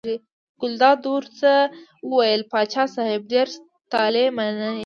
ګلداد ورته وویل: پاچا صاحب ډېر طالع من یې.